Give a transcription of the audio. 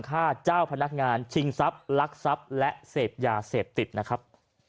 ฆ่าเจ้าพนักงานชิงทรัพย์ลักทรัพย์และเสพยาเสพติดนะครับ